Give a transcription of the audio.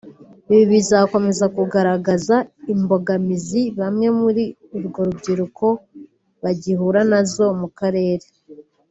“Ibi bizakomeza kugaragaza imbogamizi bamwe muri urwo rubyiruko bagihura na zo mu karere